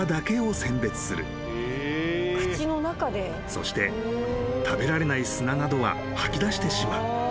［そして食べられない砂などは吐き出してしまう］